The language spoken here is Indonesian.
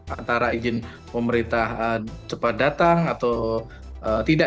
antara izin pemerintah cepat datang atau tidak